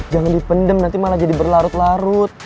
jangan dipendem nanti malah jadi berlarut larut